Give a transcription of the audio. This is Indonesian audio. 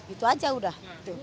itu aja udah